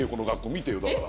見てよだから。